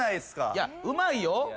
いやうまいよ？